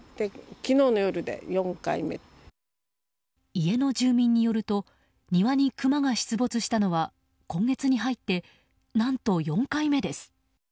家の住民によると庭にクマが出没したのは今月に入って、何と４回目です。